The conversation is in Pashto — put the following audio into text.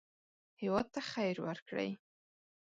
هېواد ته خیر ورکړئ